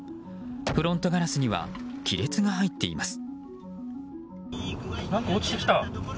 フロントガラスには亀裂が入っています。